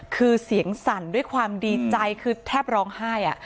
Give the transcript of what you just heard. คือเสียงสั่นด้วยความดีใจคือแทบร้องไห้